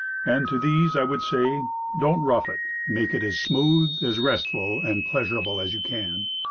And to these I would say, don't rough it; make it as smooth, as restful and pleasurable as you can.